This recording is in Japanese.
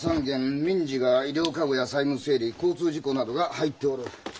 民事が医療過誤や債務整理交通事故などが入っておる。